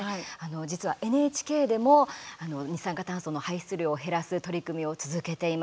実はＮＨＫでも二酸化炭素の排出量を減らす取り組みを続けています。